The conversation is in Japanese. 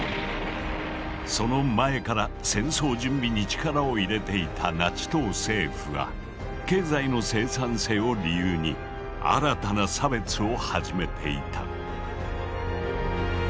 その前から戦争準備に力を入れていたナチ党政府は経済の生産性を理由に新たな差別を始めていた。